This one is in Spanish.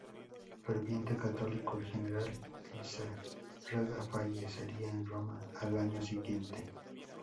Ferviente católico, el general Lizárraga fallecería en Roma al año siguiente.